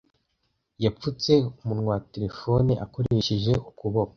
Yapfutse umunwa wa terefone akoresheje ukuboko.